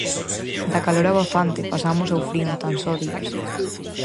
Da calor abafante pasamos ao frío en tan só días.